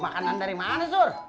makanan dari mana sur